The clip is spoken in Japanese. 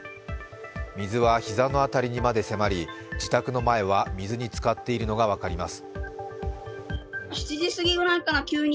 水は膝の辺りにまで迫り、自宅の前は水につかっているのが分かります。